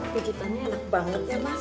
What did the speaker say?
kejutannya enak banget ya mas